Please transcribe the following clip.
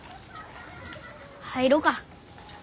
入ろうか。